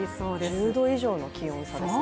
１０度以上の気温差ですね。